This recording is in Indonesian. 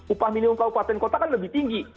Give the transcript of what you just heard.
upah minimum kwt kan lebih tinggi